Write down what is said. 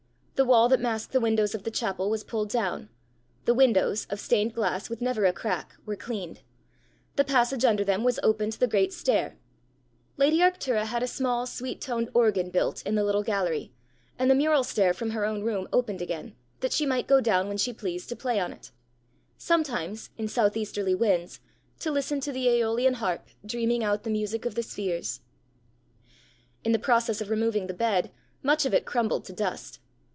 The wall that masked the windows of the chapel was pulled down; the windows, of stained glass, with never a crack, were cleaned; the passage under them was opened to the great stair; lady Arctura had a small sweet toned organ built in the little gallery, and the mural stair from her own room opened again, that she might go down when she pleased to play on it sometimes, in south easterly winds, to listen to the aeolian harp dreaming out the music of the spheres. In the process of removing the bed, much of it crumbled to dust.